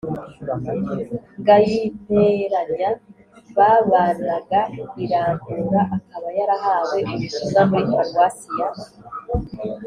ngayinteranya babanaga i rambura akaba yarahawe ubutumwa muri paruwasi ya